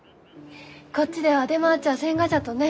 こっちでは出回っちゃあせんがじゃとね。